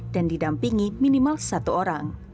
dan didampingi minimal satu orang